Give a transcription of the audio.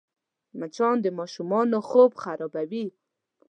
مچان د ماشومانو خوب خرابوي